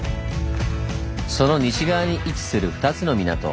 その西側に位置する２つの港